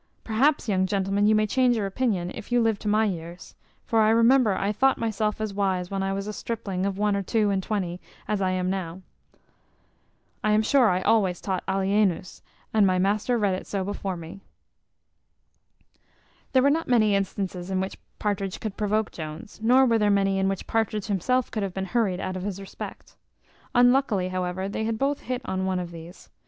Perhaps, young gentleman, you may change your opinion, if you live to my years: for I remember I thought myself as wise when I was a stripling of one or two and twenty as I am now. I am sure I always taught alienus, and my master read it so before me." There were not many instances in which Partridge could provoke Jones, nor were there many in which Partridge himself could have been hurried out of his respect. Unluckily, however, they had both hit on one of these.